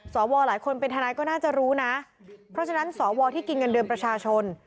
วอหลายคนเป็นทนายก็น่าจะรู้นะเพราะฉะนั้นสวที่กินเงินเดือนประชาชน